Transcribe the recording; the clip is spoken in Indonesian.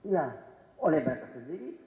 ya oleh mereka sendiri